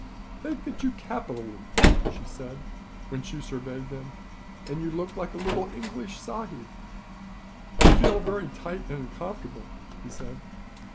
"They fit you capitally," she said, when she surveyed him. "And you look like a little English sahib." "They feel very tight and uncomfortable," he said.